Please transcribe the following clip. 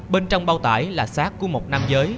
bên trong bao tải là sát của một nam giới